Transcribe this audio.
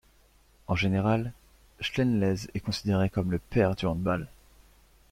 En général, Schelenz est considéré comme le père du handball.